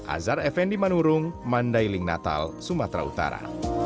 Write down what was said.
azhar effendi manurung mandailing natal sumatera utara